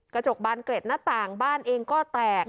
กระจกบานเกร็ดหน้าต่างบ้านเองก็แตก